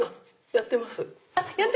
やってます。